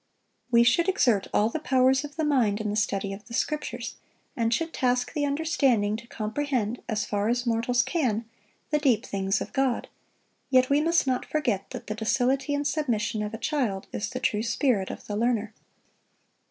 We should exert all the powers of the mind in the study of the Scriptures, and should task the understanding to comprehend, as far as mortals can, the deep things of God; yet we must not forget that the docility and submission of a child is the true spirit of the learner.